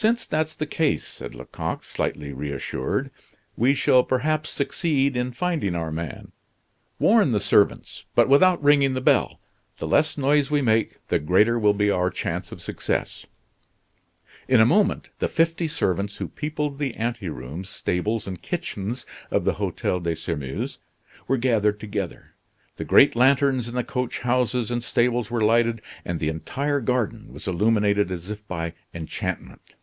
"Since that's the case," said Lecoq, slightly reassured, "we shall perhaps succeed in finding our man. Warn the servants, but without ringing the bell. The less noise we make, the greater will be our chance of success." In a moment the fifty servants who peopled the ante rooms, stables, and kitchens of the Hotel de Sairmeuse were gathered together. The great lanterns in the coach houses and stables were lighted, and the entire garden was illuminated as by enchantment.